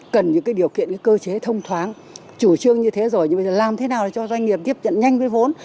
chúng ta cần những điều kiện cơ chế thông thoáng chủ trương như thế rồi nhưng làm thế nào để cho doanh nghiệp tiếp nhận nhanh với vốn